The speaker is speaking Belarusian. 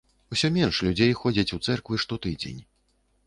Усё менш людзей ходзяць у цэрквы штотыдзень.